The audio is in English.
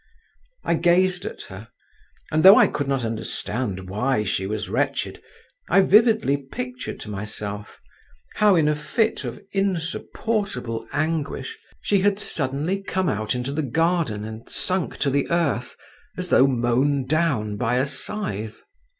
I gazed at her—and though I could not understand why she was wretched, I vividly pictured to myself, how in a fit of insupportable anguish, she had suddenly come out into the garden, and sunk to the earth, as though mown down by a scythe.